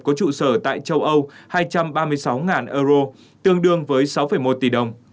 có trụ sở tại châu âu hai trăm ba mươi sáu euro tương đương với sáu một tỷ đồng